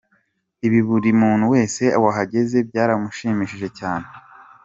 Ibi buri muntu wese wahageze byaramushimishije cyane.